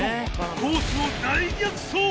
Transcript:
コースを大逆走！